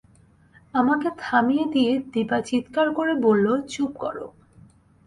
আমাকে থামিয়ে দিয়ে দিপা চিৎকার করে বলল, চুপ কর।